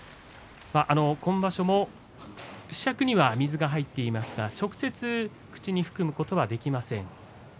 今場所もひしゃくには水が入っていますが、直接口に含むことはできません。